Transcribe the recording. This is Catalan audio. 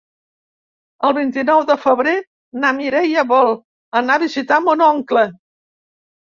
El vint-i-nou de febrer na Mireia vol anar a visitar mon oncle.